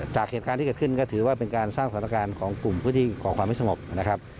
จากเหตุการณ์ที่เกิดขึ้นก็ถือว่าเป็นการสร้างสถานการณ์ของกลุ่มผู้ที่ก่อความไม่สงบนะครับ